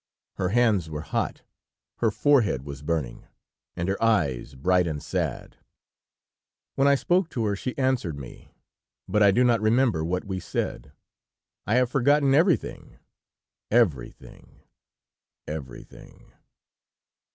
Her hands were hot, her forehead was burning, and her eyes bright and sad. When I spoke to her, she answered me, but I do not remember what we said. I have forgotten everything, everything, everything!